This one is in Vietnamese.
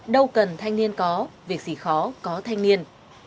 đâu cần thanh niên có việc gì khó có thanh niên